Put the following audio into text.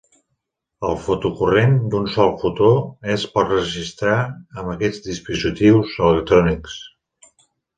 El fotocorrent d'un sol fotó es pot registrar amb aquests dispositius electrònics.